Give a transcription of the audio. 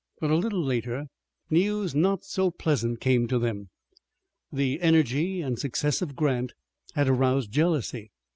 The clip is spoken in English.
But a little later, news not so pleasant came to them. The energy and success of Grant had aroused jealousy.